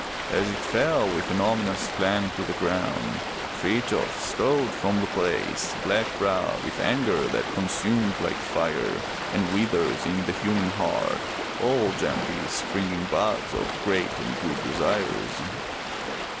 As it fell with an ominous clang to the ground, Frithjof strode from the place, black browed with that anger that consumes like fire and withers in the himian heart all gently springing buds of great and good desires.